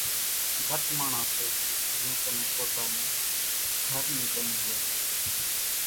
گھٽ ماڻۿان سي زين ڪنين پوتا نِي گھر نِي ٻنِي هوئيَ سي۔